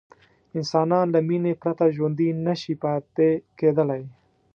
انسانان له مینې پرته ژوندي نه شي پاتې کېدلی.